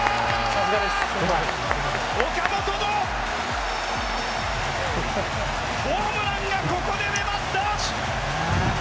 岡本のホームランがここで出ました！